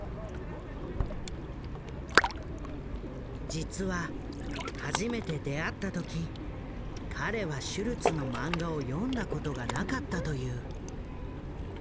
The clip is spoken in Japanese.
実は初めて出会った時彼はシュルツのマンガを読んだことがなかったという。